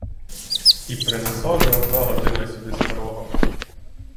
І принесла ж лиха година сюди старого!